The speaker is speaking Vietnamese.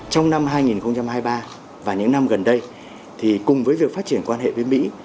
trong năm hai nghìn hai mươi ba và những năm gần đây cùng với việc phát triển quan hệ với mỹ